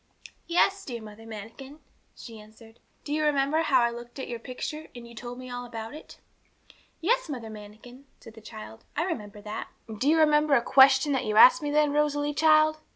'Yes, dear Mother Manikin,' she answered. 'Do you remember bow I looked at your picture, and you told me all about it?' 'Yes, Mother Manikin,' said the child, 'I remember that.' 'And do you remember a question that you asked me then, Rosalie, child!